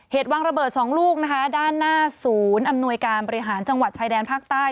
วางระเบิดสองลูกนะคะด้านหน้าศูนย์อำนวยการบริหารจังหวัดชายแดนภาคใต้